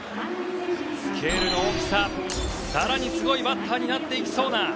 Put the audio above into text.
スケールの大きさ、更にすごいバッターになっていきそうな